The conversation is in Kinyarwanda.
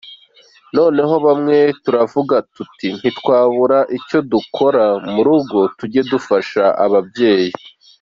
Noneho bamwe turavuga tuti ntitwabura icyo dukora mu rugo tujye gufasha ababyeyi.